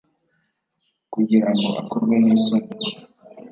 Kugira ngo akorwe n isoni